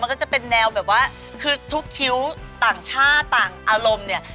ก็จะเป็นแนวแบบว่าคือทุกคิ้วต่างชาติต่างอารมณ์เนี่ย